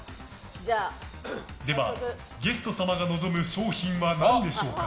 では、ゲスト様が望む賞品は何でしょう。